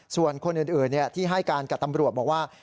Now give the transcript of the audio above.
ส่วนคนอื่นที่ให้การกับตำรวจบอกว่า